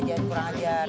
jangan kurang ajar